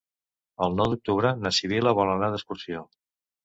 El nou d'octubre na Sibil·la vol anar d'excursió.